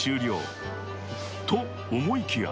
［と思いきや］